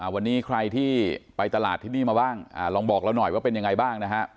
วันนี้ใครที่ไปตลาดที่นี่มาบ้างลองบอกเราหน่อยว่าเป็นยังไงบ้างนะฮะ